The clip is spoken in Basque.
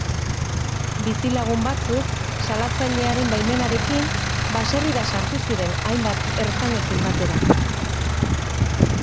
Bizilagun batzuk, salatzailearen baimenarekin, baserrira sartu ziren hainbat ertzainekin batera.